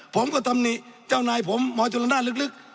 ผมก็ทำนี่เจ้านายผมหมอจุฬน่านลึก